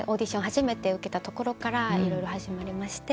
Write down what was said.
初めて受けたところから色々始まりまして。